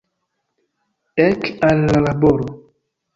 Ek al la laboro!